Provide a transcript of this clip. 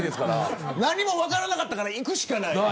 何も分からなかったから行くしかない。